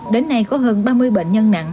đến nay có hơn ba mươi bệnh nhân nặng